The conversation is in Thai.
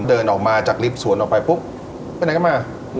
เดินออกมาจากลิฟต์สวนออกไปปุ๊บไปไหนก็มา